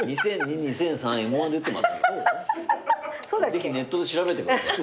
ぜひネットで調べてください。